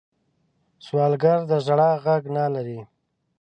سوالګر د ژړا غږ نه لري